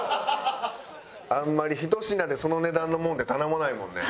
あんまりひと品でその値段のものって頼まないもんね。